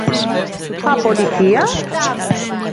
A policía?